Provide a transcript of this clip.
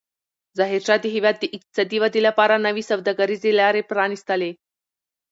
ظاهرشاه د هېواد د اقتصادي ودې لپاره نوې سوداګریزې لارې پرانستلې.